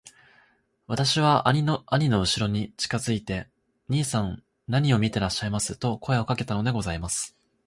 私は兄のうしろに近づいて『兄さん何を見ていらっしゃいます』と声をかけたのでございます。